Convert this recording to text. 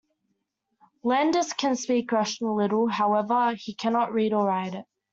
Landers can speak Russian a little; however, he can not read or write it.